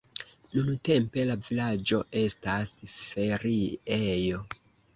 Nuntempe la vilaĝo estas feriejo.